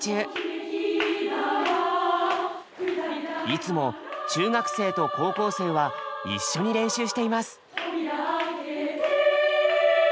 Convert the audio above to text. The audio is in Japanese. いつも中学生と高校生は一緒に練習しています。